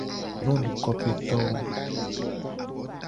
Kopetowo nyonuwo.